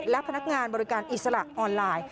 และพนักงานบริการอิสระออนไลน์